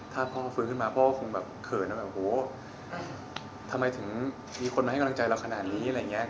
ถ้าพ่อฟื้นขึ้นมาพ่อคงเผินว่าทำไมถึงมีคนมาให้กำลังใจเราขนาดนี้